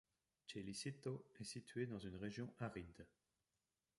Chelicito est situé dans une région aride.